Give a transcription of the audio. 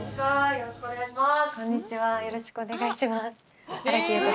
よろしくお願いします。